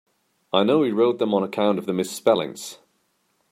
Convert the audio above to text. I know he wrote them on account of the misspellings.